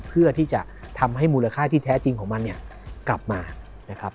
เพื่อที่จะทำให้มูลค่าที่แท้จริงของมันเนี่ยกลับมานะครับ